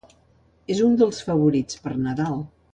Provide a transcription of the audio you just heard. És un dels favorits per Nadal.